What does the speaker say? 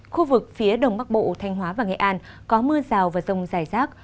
khu vực phía đông bắc bộ thanh hóa và nghệ an có mưa rào và rông dài rác